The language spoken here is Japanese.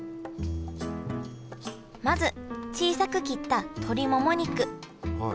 まず小さく切った鶏もも肉。